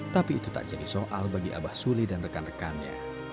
tapi itu tak jadi soal bagi abah suli dan rekan rekannya